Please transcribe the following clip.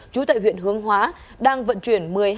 trú tại huyện hướng hóa đang vận chuyển